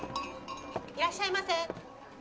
いらっしゃいませ。